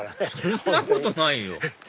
そんなことないよ